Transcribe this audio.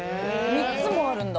３つもあるんだ。